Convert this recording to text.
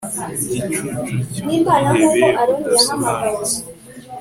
Igicucu cyubwihebe budasobanutse